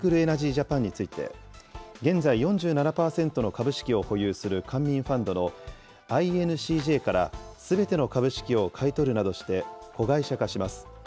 ジャパンについて現在４７％の株式を保有する官民ファンドのＩＮＣＪからすべての株式を買い取るなどして、子会社化します。